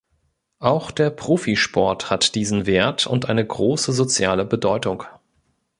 Auch der Profi-Sport hat diesen Wert und eine große soziale Bedeutung.